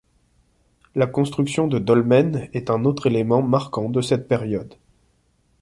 La construction de dolmens est un autre élément marquant de cette période.